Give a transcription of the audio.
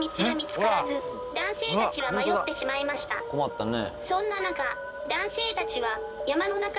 困ったね。